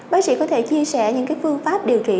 bác sĩ có thể chia sẻ những phương pháp điều trị